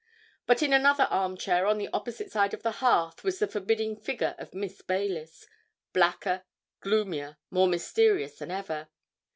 But in another armchair on the opposite side of the hearth was the forbidding figure of Miss Baylis, blacker, gloomier, more mysterious than ever.